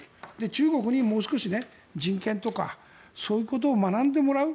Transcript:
中国にもう少し人権とかそういうことを学んでもらう。